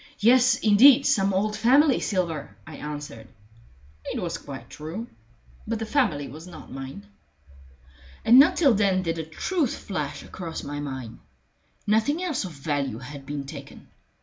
"Yes, indeed some old family silver," I answered. It was quite true. But the family was not mine. And not till then did the truth flash across my mind. Nothing else of value had been taken.